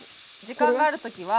時間がある時は。